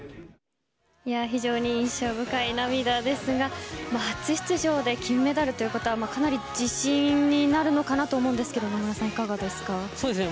非常に印象深い涙ですが初出場で金メダルということはかなり自信になるのかなと思うんですが野村さん、いかがですか？